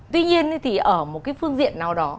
tuy nhiên thì ở một cái phương diện nào đó